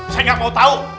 saya gak mau tau